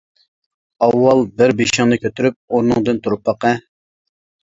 ئاۋۋال بىر بېشىڭنى كۆتۈرۈپ ئورنۇڭدىن تۇرۇپ باقە.